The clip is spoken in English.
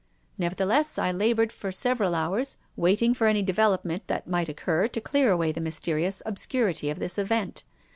Nevertheless, I laboured for several hours, waiting for any development that might occur to clear away the mysterious obscurity of this event.